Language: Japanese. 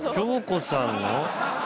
恭子さんの。